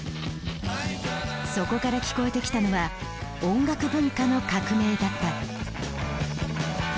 そこから聞こえてきたのは音楽文化の革命だった。